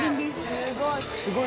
すごい。